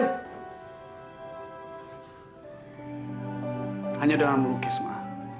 hanya dengan melukis ma